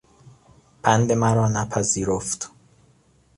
پند مرا نپذیرفت.